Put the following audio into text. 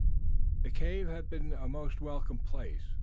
The cave had been a most welcome place.